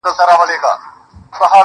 هغه اوس گل كنـدهار مـــاتــه پــرېــږدي.